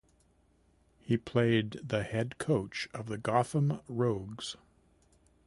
He played the head coach of the Gotham Rogues.